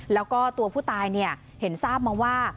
แล้วก็ตัวผู้ตายเห็นทราบมาว่า